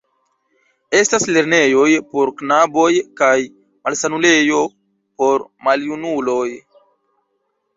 Estas lernejoj por knaboj kaj malsanulejo por maljunuloj.